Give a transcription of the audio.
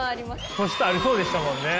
素質ありそうでしたもんね。